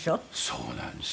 そうなんです。